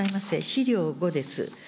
資料５です。